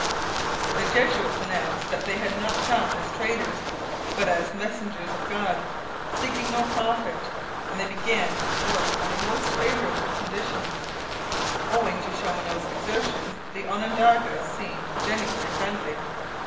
The Jesuits announced that they had come not as traders but as 'messengers of God,' seeking no profit; and they began work under most favourable conditions. Owing to Chaumonot's exertions the Onondagas seemed genuinely friendly.